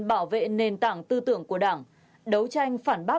bảo vệ nền tảng tư tưởng của đảng đấu tranh phản bác